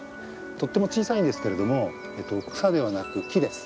とっても小さいんですけれども草ではなく木です。